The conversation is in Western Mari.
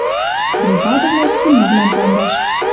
Бригадывлӓш киновлӓм кандаш